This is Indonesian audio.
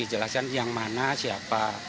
jelasin yang mana siapa